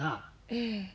ええ。